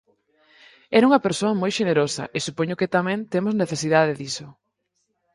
Era unha persoa moi xenerosa e supoño que tamén temos necesidade diso.